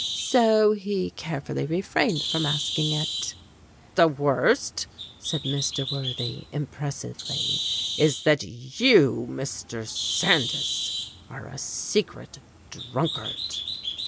So he carefully refrained from ask ing it. "The worst," said Mr. Worthy impressively, "is that you, Mr. Sandys, are a secret drunkard."